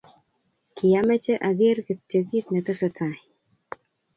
kyameche ageer kityo kiit netesetai